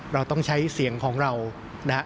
เราต้องใช้เสียงของเรานะฮะ